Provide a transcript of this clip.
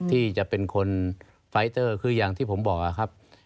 ที่จะเป็นคนไฟเตอร์คืออย่างที่ผมบอกครับ